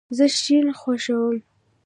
زه شین خوښوم